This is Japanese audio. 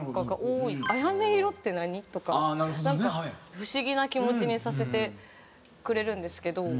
不思議な気持ちにさせてくれるんですけど。